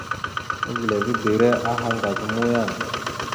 Ezlilivibire aha ŋgaz a muyaŋ a.